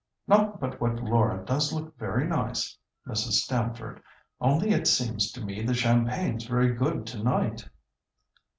Not but what Laura does look very nice, Mrs. Stamford, only it seems to me the champagne's very good to night."